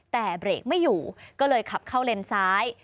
แต่เบรกไม่อยู่ก็เลยขับเข้าเลนซ้าย